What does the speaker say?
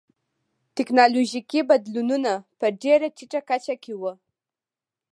ټکنالوژیکي بدلونونه په ډېره ټیټه کچه کې و